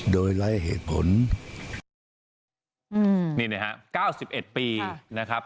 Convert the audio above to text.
โดยไร้เหตุผลอืมนี่นะฮะเก้าสิบเอ็ดปีนะครับ